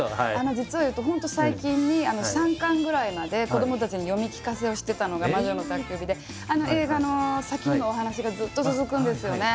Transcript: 実を言うと本当最近に３巻ぐらいまで子どもたちに読み聞かせをしてたのが「魔女の宅急便」であの映画の先にもお話がずっと続くんですよね